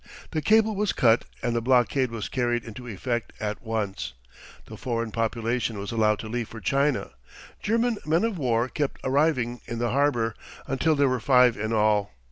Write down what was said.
The cable was cut, and the blockade was carried into effect at once. The foreign population was allowed to leave for China. German men of war kept arriving in the harbour, until there were five in all.